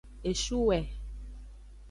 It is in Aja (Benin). Eshuwe.